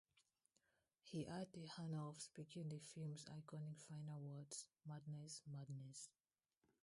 He had the honour of speaking the film's iconic final words: Madness!, Madness!